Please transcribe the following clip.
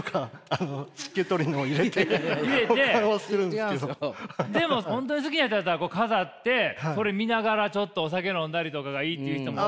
一応でも本当に好きやったら飾ってそれ見ながらちょっとお酒飲んだりとかがいいっていう人も。